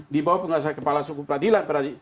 di bawah pengacara kepala suku peradilan